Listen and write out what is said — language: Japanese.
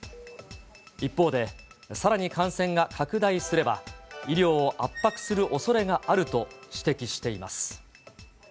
一方で、さらに感染が拡大すれば、医療を圧迫するおそれがあると指摘しています。